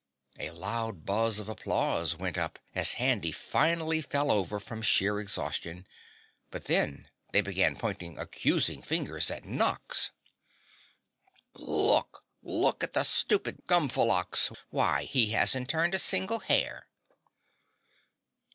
A loud buzz of applause went up as Handy finally fell over from sheer exhaustion, but then they began pointing accusing fingers at Nox. "Look! Look at the stupid Gumflumox, why he hasn't turned a single hair."